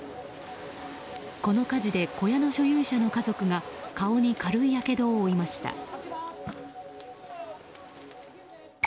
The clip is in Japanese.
この火事で小屋の所有者の家族が顔に軽いやけどを負いました。